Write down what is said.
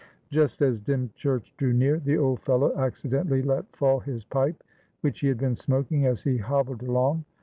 Just as Dymchurch drew near, the old fellow accidentally let fall his pipe, which he had been smoking as he hobbled along.